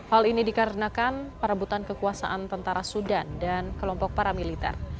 hal ini dikarenakan perebutan kekuasaan tentara sudan dan kelompok paramiliter